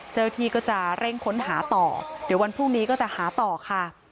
เจ้าหน้าที่ก็จะเร่งค้นหาต่อเดี๋ยววันพรุ่งนี้ก็จะหาต่อค่ะ